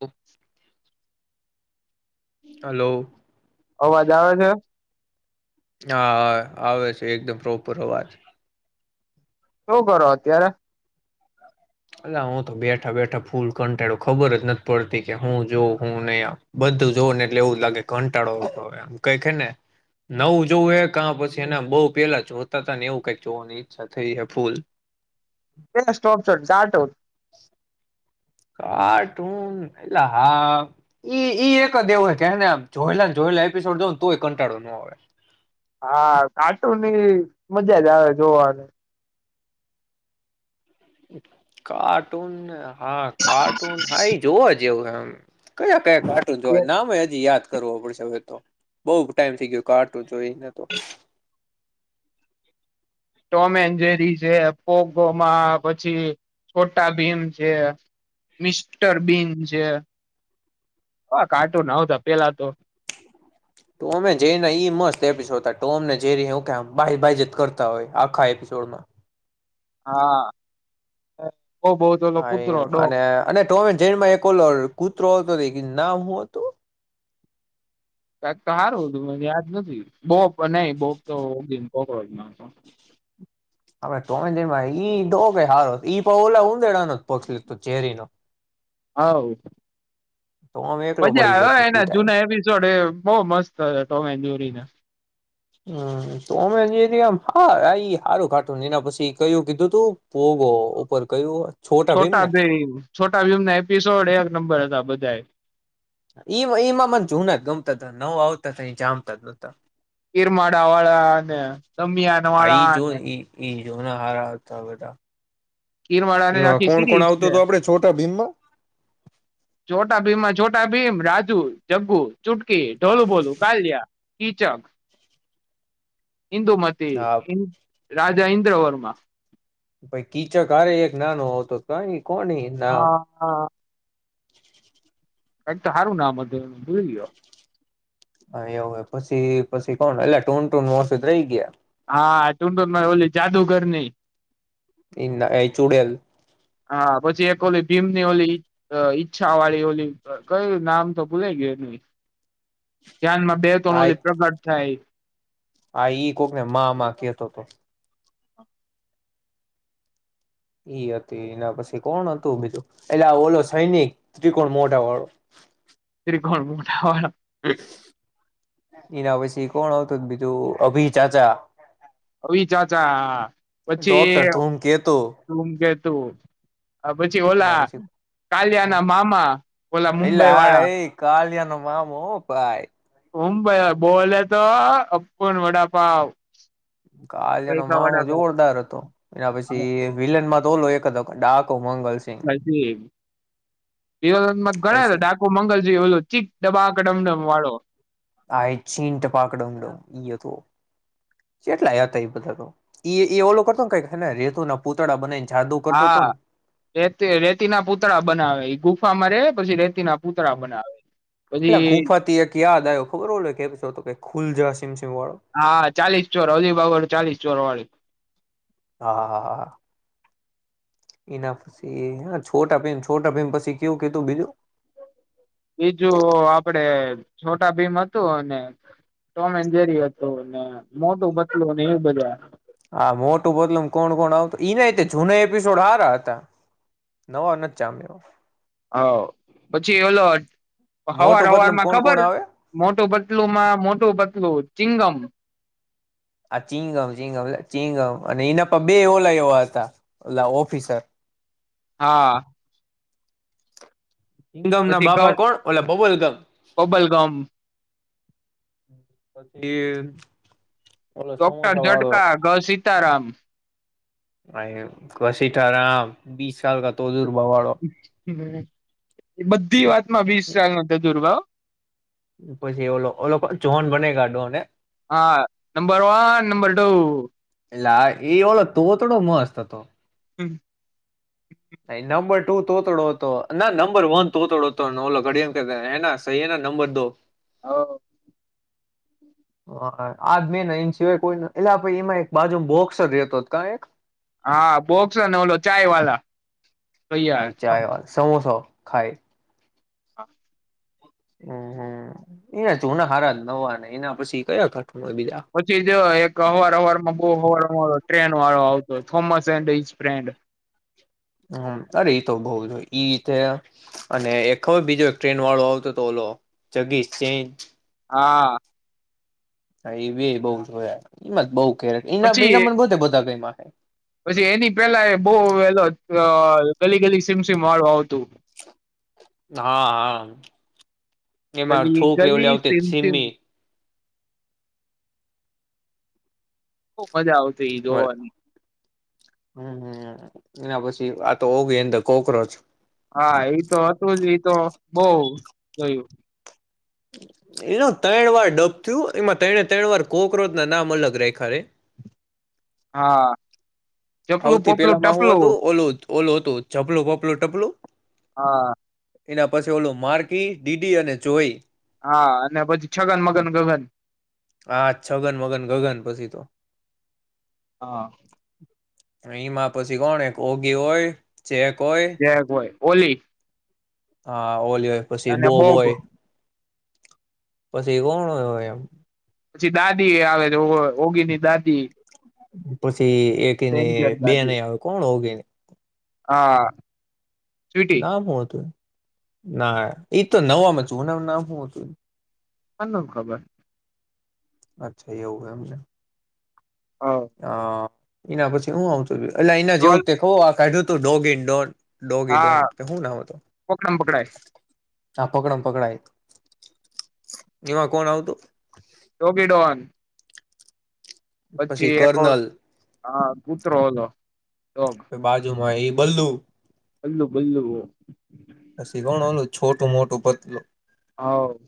હ અવાજ આવે છે હા હા આવે છે એકદમ પ્રોપર અવાજ શું કરો અત્યારે અલા હું તો બેઠા બેઠા ફૂલ કંટાળો ખબર જ નથી પડતી કે હું જોઉં હું નહી આમ બધું જોઉં ને એટલે એવું જ લાગે કંટાળોમ કઈકે ને નવું જોવું એ ક પછી એને બહુ પેલા જોતા હતા ને એવું કઈક જોવાની ઈચ્છા થઈ જાય ફૂલ એ સ્ટોપ છોટ જાટ હો કાર્ટૂન એટલે હા ઈ ઈ એક જ એવું હો કેને જોયેલા ને જોયેલા એપિસોડ જો ને તોય કંટાળો ન આવે હા કાર્ટૂનની મજા જ આવે જોવાની કાર્ટૂન હાથ કાર્ટૂન હાાઈ જોવ જ જેવુંમ કયા કાર્ટૂન જોય નામે હજી યાદ કરવો પડશે હવે તો બઉુ ટાઈમ થઈ ગયો કાર્ટૂન તો એને તો ટોમ એન્જેરી છે પોગોમાં પછી છોટા બીન છે મિસ્ટર બીન છે હ કાર્ટૂન આવતા પેલા તો ટોમ એન્ડ જેરી ના ઈ મસ્ત એપિસોડમ જ કે બાયઝ બાયઝ કરતા હોય આખા એપિસોડમાં હા બઉ બઉ તો ઓલો હા કૂતરો ડોગ અને અને ટોમ એન્ડ જેરી માં એક ઓ કૂતરો આવતો ઈ નું નામ હું અતુ કાંક તો હારુ હતું મન યાદ નથી બોપ નહી બોપ તો જ ના આપડે તોમે જે મા ઈતો બે હારો ઈ પણ ઓલા ઊંદેડાનો પક્ષી લીધ ચેરીનો. હાવ. ટોમ એકલો મજા પડી આવ જતો ઈ એના ટાઈમ જૂના એપિસોડ એ બો મસ્ત ટો મેન જેરીના. હમ તો મેન જેરી હા હારું કાર્ટૂન એના પછી કયું કીધું તું પોગો ઉપર કયું છોટા ભીમ છોટા ભીમના એપિસોડ એક નંબર હતા બ જાય. ઈવ ઈમા મન જુના ગમતા હતા નવ આવતા હતા એ જામતા જહતા. ગિરમાડા વાળા અને દમિયાન વાળા અને. જેના હારાઆવતા બધા કીરવાળ ને એમાં આખી કોણ કોણ સીડી આવતું છે હતું આપડે છોટા ભીમમાં ચોટા ભીમાં માં ચો ટા ભીમ રાજુ જગ્ગુ ચુટકી ઢોલું બોલું કાલ્યા કિચક. હિન્દૂ મતિ હા હીન રાજા ઇન્દ્ર વર્મા. ભઈ કીચક હારે એક નાનો આવતો કઈ કોણ એ નામ હા કઈક તો હારું નામ હતું એમ ભૂલી ગયો હા એવું હોય પછી પછી કોણ એટલે ટૂન ટૂન મોસદ રહી ગયા. હા ટુન ટુન ન ઓલી જાદુગર ની એના અઈ ચૂડેલ હા પછી એક ઓલી ભીમની ઓલી ઈચ્છા વાળી ઓલી કયું નામ તો ભૂલા ગય ની. ધ્યાનમાં બે તન ઓલી પ્રગટ થાય હા ઈ કોક ને મામાં કેતો તો. હ. એઈ હતી એના પછી કોણ હતું બીજું એટલે આ ઓલો સૈનિક ત્રિકોણ મોઢા વાળો. ઘર મોઢા વાળો એના વસી. કોણ આવતું બીજું અભિ ચાચા. અભી ચાચા. ડોક્ટર તમ કે તો. તો પછી ઓલા કાલિયા ના મામા ઓલા એટલે મુંબઈ હા વાળા. એ કાલિયા નો મામો હ પાય. ઓમ બા બોલ તો અપન વડાપાવ કાલનો પૈસા મામો વડાપાવ જોરદાર હતો એના પછી વિલન માં તો ને. કદક ડાક [unintelligible] ગણા હતા ડાકુ મંગલજી એલું. ચીક ડબાક ડમડમ વાળો આઈ છીંન્ટ પાકડોમ ડમ ઈયો તો. કેટલાયા હતા એ બધા તો એ ઓલો કરતો ને કઈને રેતો ના પૂતળા બનાઈ હા એતે રેતી ના પૂતળા બનાવે એ ગુફામાં રે ઓલી રેતીના પૂતળા હ બનાવે એટલે પછી ગુફાથી એક યાદ આવ્યો ખબર ઓય કેતો હતો કે ખુલ જા સિમ-સિમ વાળો? હા ચાલીસ ચોર અલીબાગ ચાલીસ ચોર વાળી હા હા હ હા એના પછી હ છોટાભીમ છોટભીમ પછી કેવું કીધું બીજું? બીજું આપડે છોટા ભીમ હતું અને ટોમ એન્ જેરી હતું મોટું બતલું એવું બધા. હા મોટું પતલું કોણ કોણ આવતું ઈ ના જૂના એપિસોડ હારા હતા નવા નથ જામ્યા. હા પછી એલો હવાર મોટો હવાર બદલમ માં કોણ કોણ ખબર આવે મોટું પતલુંમાં મોટું પતલું ચિંગમ. આ ચિંગમ ચિંગમ ચિંગમ અને એના પર બે ઓલા એવા હતા ઓલા ઓફિસર. હા. હંગમ ના પછી ઘ બાપા કોણ ઓલે બબલ ગમ બબલગમ પછી ઓલો ડોક્ટર સમોસા વાળો ઝટકા ગસી સીતારામ. [unintelligible] બીસ ચાલકાતો દૂરબાવા વાળો. હમ એ બધી વાત માં વીસ [inaudible] દુરભાવ. પછી ઓ ઓ લોકો જોહન બનેગા ડોન એ. હા નંબર વન નંબર ટુ એટલ આ એ ઓલો તો થોડો મસ્ત હતો. હમ. નંબર ટુ તોતડો હતો ના નંબર વન તોતડો હતો ઓલો ઘડીમ [inaudible] સહી નંબર દો? હ. હા અ આજ બેન એ સિવાય કોઈ એટલેાઈ એમાં એક બાજુ બોક્સર રહેતો કા એક? હા બોક્સર ને ઓલો ચાય વાલા. હા ભૈયા ચાય વાત સમોસો ખાઇ. હા. હમ હમ એના જુના હારા નવા ને એને પસી કયો પછી જ એક અવાર અવાર માં બહુ હવાર [unintelligible] ટ્રેન વાળો આવતો થોમસ એન્ડ ઇસ ટ્રેન્ડ. હમ અરે તો બઉ જો ઈ રીતે અને એક હર બીજો એક ટ્રેન વાળો આવતો તો ઓલો જગીશ [inaudible] હા. હા એવી બઉ જોયા એમાં જ બઉ કે એના પછી [inaudible] બધા ગેઇમા. થ [unintelligible] પછી એની પેલા એ બહુ એ 'ગલી ગલી સીમ સિમ' વાળું આવતું. હા, હા. એમાં 'ગલી છોકરી ઓલી ગલી આવતી સિમ સિમ' સિમ્મી બહુ મજા આવતી ઈ હોય. જોવાની હમ, હમ. એ. આ તો ઓ ગઈ અંદર, કોક્રોચ. હા, એ તો હતું જ. તો બહુ ગયું. એનું તણ વાર ડબ થયું. એમાં તણે ત્રણ વાર 'કોકરોચ' ના નામ અલગ રેખા રે. હા. ચપલું આવતી. પપલું પેલા માં શું હતું? ટપલું ઓલો હતું. ઓલો હતો. ચપલો, પપલો, ટપલો. હા. એના પછી ઓલું માર્કી ડીડી અને જોઈ. હા, અને પછી છગન, મગન, ગગન. હા, છગન, મગન, ગગન પછી તો હા. એમાં પછી કોણ એક યોગી હોય? છે કોઈ જે હોય ઓલી. હા. ગોલી હોય, પછી બોબ હોય. પછી કોણ હોય એમ? પછી દાદી આવે છે, ઓગીની દાદી. પછી પછી એકને ડેન્જર બે દાદી નહીં આવે, કોણ હોગ? હા સ્વીટી ના, હોતું? ના, એ તો નવામ હતું. ઓનું નામ શું હતું? આ ન ખબર. અચ્છા, એવુ? મને. હા હા. એના પછી હું આવ છું. લઈને જવું રોલ- તો કહો, કાઢ્યું છે. તો ડોગન ડોન. ડોગી ડોન હા કે શું ના હતો? પકડમ પકડાય હ, પકડમ પકડાય. એમાં કોણ આવતું? ડોગી ડોન પછી એક આ કૂતરો હતો ડોગ. હા, એ બલ્લુ. બલ્લું બલું પછી કોણ ઓલું છોટું મોટું પતલું હ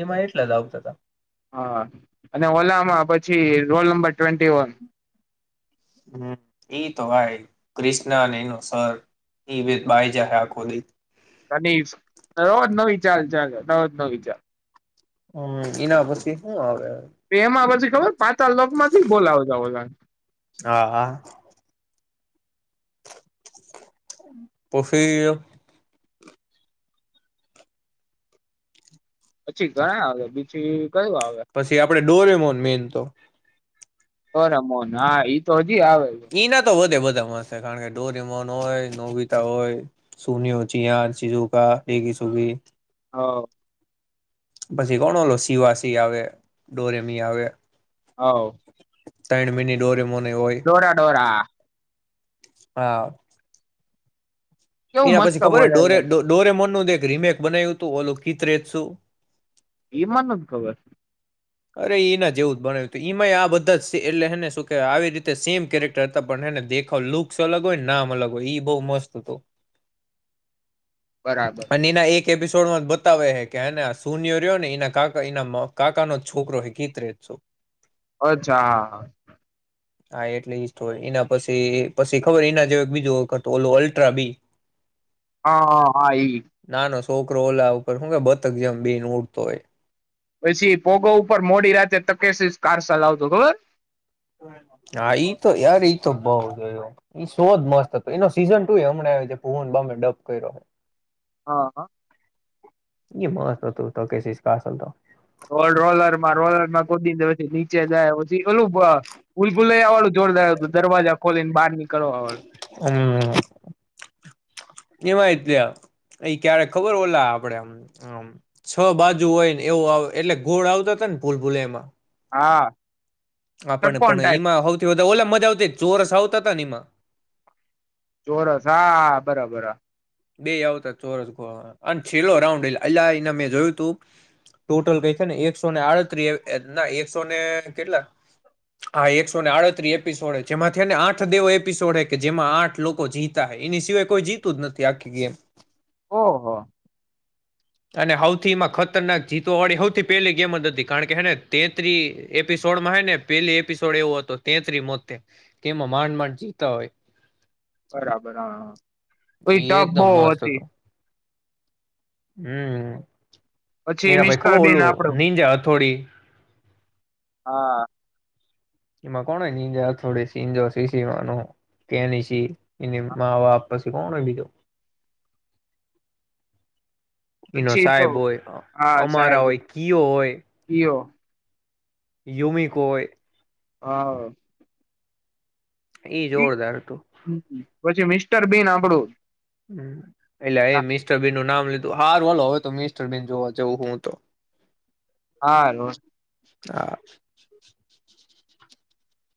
એમાં એટલા જ આવતા હતા. હા અને ઓલામાં પછી રોલ નંબર ટ્વેન્ટી વન હ એઈ તો આય ક્રિષ્ના અને એનો સર એ બે બાય જ આખો દિ કની રોજ નવી ચાલ ચાલ રોજ નવી ચાલ હમ ઇ ન પછી હુ આવે હ પાતાલ લોક માંથી બોલાવ જ ઓલા હા હા પફી પછી ઘણા આવે બીછ પછી આપડે ડોરમોન મેન તો તો રમોન હા ઈ તો હજી આવે છે કી ના તો વધે વધે મસ્ત કારણ કે ડોરીમોન હોય, નોબિતા હોય, સુનયો, ચિયાન, ચીજુકા, ડેગી સુગી હ પછી કોણ ઓલો શિવાસી આવે ડોરેમી આવે હ તણ મિની ડોરી ડોરા ડોરા હા હા કેવું એના મસ્ત પછી ખબર ડોરે બોલાય ડઢોરે મોન નું દેખ રીમેક બનાવ્યું તું ઓલો કીત રત શું એ માંન નથી ખબર અરે એના જેવું જ બનાવ્યું હતું, ઈ માંય આ બધા જ એટલેને શું કે આવી રીતે સેમ કેરેક્ટર હતા પણ એને દેખાવ લુક્સ અલગ હોય નામ અલગ હોય ઈ બહુ મસ્ત હતું. બરાબર એપિસોડ માં જ બતાવે હ કેને આ શૂનિયરર્યો ને એના કકા એના કાકાનો છોકરો હકીત રહે છો અચ્છા હા હા હા એટલે ઇ સ્ટોરી એના પછી પછી ખબર એના જેવ એક બીજુંખ હતું ઓ અલ્ટ્રા બી હા હા હા ઈ નાનો છોકરો ઓલા ઉપર શું કે બતક જેમ બેન ઉડતો હોય. પછી પોગો ઉપર મોડી રાતે તકેસી કાર ચલાવતો ખબર હ હા ઈ તો યાર તો બઉયો સો જ મસ્ત હતો એનો સીઝન ટુ હમણાં ભુવન મે ડપ કર્યો હા એ મસ્તતું તો કેશશ કસલ તો રોલ છી ઓલું ભુલ ભુલયા વાળું જોરદાર હતું દરવાજા ખોલીને બહાર નીક હમ એમાં એટલે અ ક્યારે ખબર ઓલા આપડેમ છ બાજુ હોય ને એવું એટલે ગોળ આવતા હતા ને ભૂલ ભૂલૈયા માં હા આપણ ષટકોણ પણ ટાઈપ એમાં સૌથી વધા ઓલા મજા આવતી ચોરસ આવ તનીમાં બોરસ હા બરાબર બે આવતા ચોરસ ગ અને છેલ્લો રાઉન્ડલે એ એના મેં જોયું તું ટોટલ ક છે ને એકસોને આડત્રી ના એકસોને કેટલા હા એકસોને આડત્રી એપિસોડ જેમાંથી ને આઠ દેવો એપિસોડ કે જેમાં આઠ લોકો જીતા એની સિવાય કોઈ જીતું જ નથી ત્યાખ ગમ ઓહ અને હૌથી માં ખતરનાક જીતવાળી સૌથી પહેલી ગેમ જ હતી કારણ કે હેને તેતરી એપિસોડમાં હ ને પેલી એપિસોડ એવો હતો તેત્રી મોતે તેમાં માંડ માંડ જીતા હોય બરાબર હા કોઈ એ ટપ એકદમ બહ મસ્ત હતી હતો હમ પછી એના ભાઈ મિસ્ટર ખબર બીન ઓલું આપડું નીજા હથોડી હા એમાં કોણ જ થોડી સીજો સીસીીવાનો કેની સી એની હા. મા વાપ કોણ હોયવી તો એનો પછી તો સાહેબ હોય હા અમારા સાહેબ હોય કયો હોય કયો યુમી કોઈ હા ઈ જોરદાર હતું પછી મિસ્ટર બેી ના આપડું હમ એટલે એ મિસ્ટર બેન નું નામ લીધું હાર વાોલો હવે તો મિસ્ટરબન જોવા જવું હું તો હા રો હા